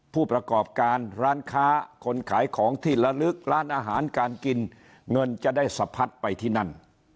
ผู้ประกอบการร้านค้าคนขายของที่ละลึกร้านอาหารการกินเงินจะได้สะพัดไปที่นั่น